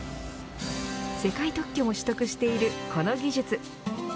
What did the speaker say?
世界特許も取得しているこの技術。